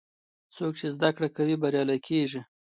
څوک چې زده کړه کوي، بریالی کېږي.